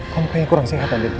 kamu pengen kurang sehat andien